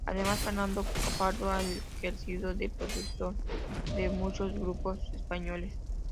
Además, Fernando Pardo ha ejercido de productor de muchos grupos españoles.